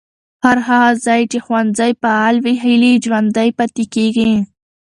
هر هغه ځای چې ښوونځي فعال وي، هیلې ژوندۍ پاتې کېږي.